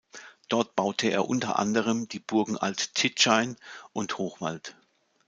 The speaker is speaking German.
Dort baute er unter anderem die Burgen Alt Titschein und Hochwald.